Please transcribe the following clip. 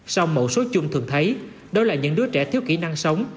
sau mẫu số chung thường thấy đó là những đứa trẻ thiếu kỹ năng sống